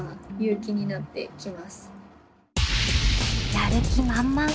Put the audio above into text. やる気満々。